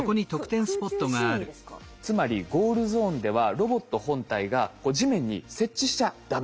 つまりゴールゾーンではロボット本体が地面に接地しちゃダメ。